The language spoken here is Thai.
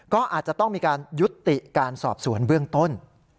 ก็อาจจะต้องมีการยุติการสอบสวนเบื้องต้น